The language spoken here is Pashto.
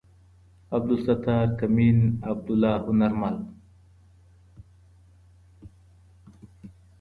عبدالستار کمين عبدالله هنرمل